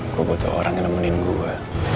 gue butuh orang nemenin gue